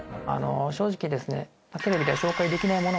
正直ですね